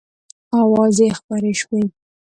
آوازې خپرې شوې.